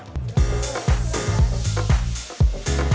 terletak di sini ya